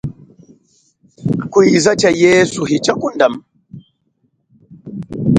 Kwiza tsha yesu hitshakundama.